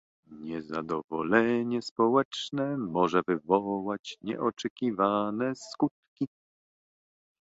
Niezadowolenie społeczne może wywołać nieoczekiwane skutki